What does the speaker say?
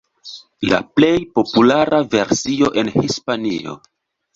La plej populara versio en Hispanio.